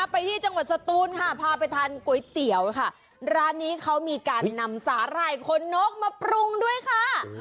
ไปที่จังหวัดสตูนค่ะพาไปทานก๋วยเตี๋ยวค่ะร้านนี้เขามีการนำสาหร่ายคนนกมาปรุงด้วยค่ะ